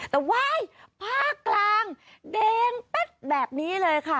แต่ว่าภาคกลางแดงแป๊บแบบนี้เลยค่ะ